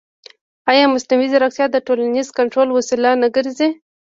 ایا مصنوعي ځیرکتیا د ټولنیز کنټرول وسیله نه ګرځي؟